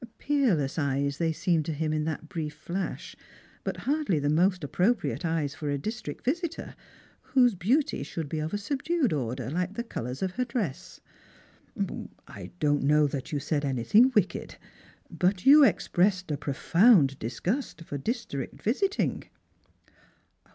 Peer less eyes they seemed to him in that brief flash, but hardly th j Stranfjrrs and Pilr/rims. 27 most appropriate eyes for a district visitor, whose beauty sliould be of a subdued order, like the colours of her dress. "1 don't know that you said anything wicked; but you ex pressed a profound disgust for district visiting."